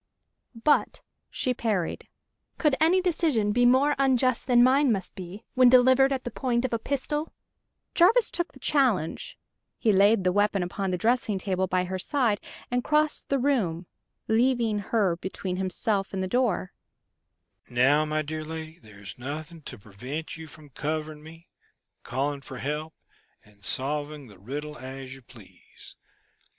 "But," she parried, "could any decision be more unjust than mine must be, when delivered at the point of a pistol?" Jarvis took the challenge. He laid the weapon upon the dressing table by her side and crossed the room, leaving her between himself and the door. "Now, my dear lady, there's nothing to prevent you from covering me, calling for help, and solving the riddle as you please.